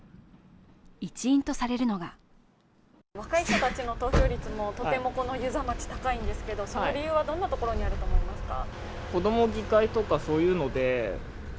一因とされるのが若い人たちの投票率もとてもこの遊佐町高いんですけれども、その理由はどんなところにあると思いますか？